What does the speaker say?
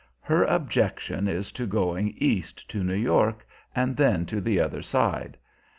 Her objection is to going east to New York, and then to the other side.